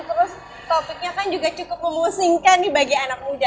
terus topiknya kan juga cukup memusingkan nih bagi anak muda